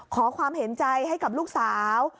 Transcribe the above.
ขอความเห็นใจให้กับลูกสาว